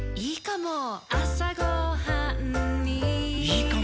いいかも！